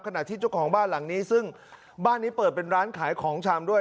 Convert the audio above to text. ที่เจ้าของบ้านหลังนี้ซึ่งบ้านนี้เปิดเป็นร้านขายของชำด้วย